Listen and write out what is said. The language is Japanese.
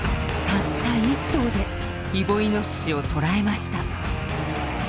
たった１頭でイボイノシシを捕らえました。